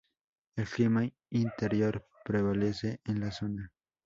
El clima interior prevalece en la zona.